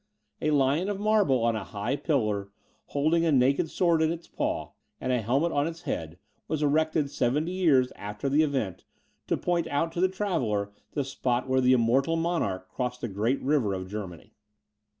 A lion of marble on a high pillar, holding a naked sword in his paw, and a helmet on his head, was erected seventy years after the event, to point out to the traveller the spot where the immortal monarch crossed the great river of Germany.